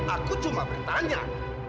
aku cuma bertanya